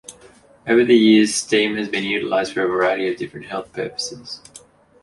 Over the years, steam has been utilized for a variety of different health purposes.